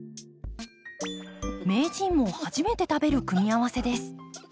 名人も初めて食べる組み合わせです。